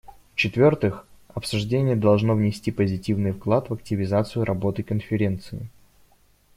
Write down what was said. В-четвертых, обсуждение должно внести позитивный вклад в активизацию работы Конференции.